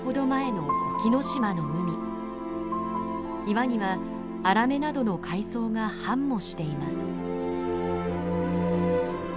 岩にはアラメなどの海藻が繁茂しています。